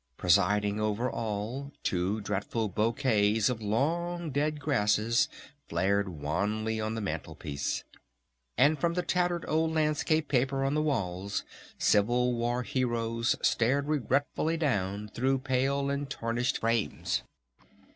Presiding over all, two dreadful bouquets of long dead grasses flared wanly on the mantle piece. And from the tattered old landscape paper on the walls Civil War heroes stared regretfully down through pale and tarnished frames.